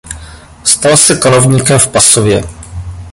Stal se kanovníkem v Pasově.